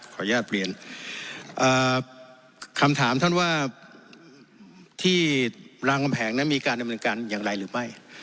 ขออนุญาตเรียนคำถามท่านว่าที่รามคำแหงนั้นมีการดำเนินการอย่างไรหรือไม่